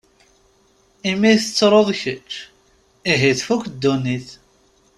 Imi tettruḍ kečč, ihi tfuk ddunit.